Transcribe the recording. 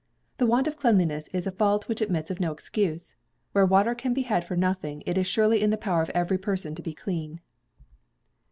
The want of cleanliness is a fault which admits of no excuse. Where water can be had for nothing, it is surely in the power of every person to be clean.